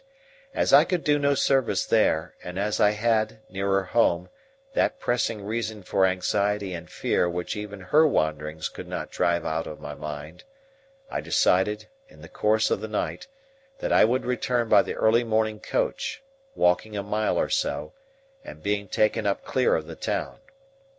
As I could do no service there, and as I had, nearer home, that pressing reason for anxiety and fear which even her wanderings could not drive out of my mind, I decided, in the course of the night that I would return by the early morning coach, walking on a mile or so, and being taken up clear of the town.